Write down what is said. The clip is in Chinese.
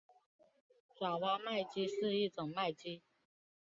爪哇麦鸡是一种麦鸡。